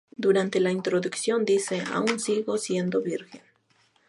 Durante la introducción dice "Aún sigo siendo virgen".